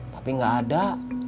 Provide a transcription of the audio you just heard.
tapi gak ada